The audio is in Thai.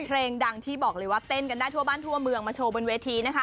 เพลงดังที่บอกเลยว่าเต้นกันได้ทั่วบ้านทั่วเมืองมาโชว์บนเวทีนะคะ